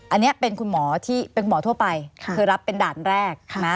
อันนี้เป็นคุณหมอทั่วไปคือรับเป็นด่านแรกนะ